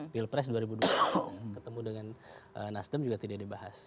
pilpres dua ribu dua puluh ketemu dengan nasdem juga tidak dibahas